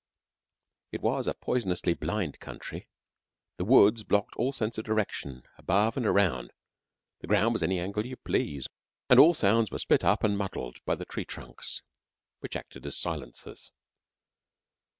It was a poisonously blind country. The woods blocked all sense of direction above and around. The ground was at any angle you please, and all sounds were split up and muddled by the tree trunks, which acted as silencers.